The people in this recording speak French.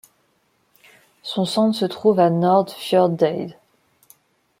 Son centre se trouve à Nordfjordeid.